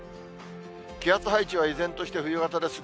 気圧配置は依然として冬型ですね。